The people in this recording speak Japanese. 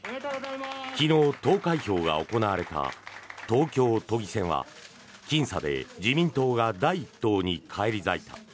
昨日、投開票が行われた東京都議選はきん差で自民党が第１党に返り咲いた。